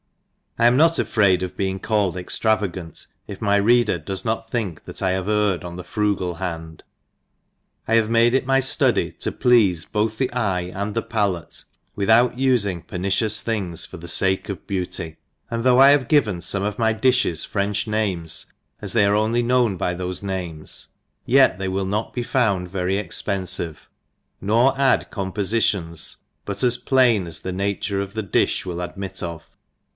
I am not afraid of being called extravagant^ if my reader does not think that I have erred oa the frugal hand. I have made it my ftudy to pleafe both the eyd and the palate, without ufing pernicious things for the fake of beauty. And though I have given fome of my di(hea French names as they are only known by thofe names, yet they will not be found very ^xpenfive^ nor add compofitions but as plain as the nature of the diih will admit of.